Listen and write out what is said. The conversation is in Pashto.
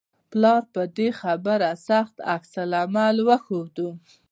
پلار په دې خبرې سخت عکس العمل وښود